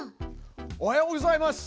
おはようございます隊長。